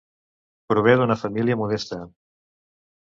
Prové d'una família modesta.